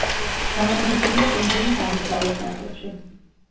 განლაგებულია კუნძულის აღმოსავლეთ ნაწილში.